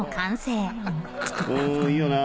いいよな。